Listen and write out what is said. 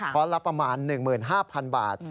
คอร์สละประมาณ๑๕๐๐๐บาท